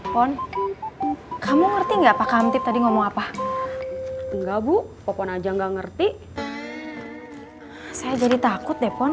pon kamu ngerti nggak pak kantip tadi ngomong apa enggak bu pokoknya aja nggak ngerti saya jadi takut depon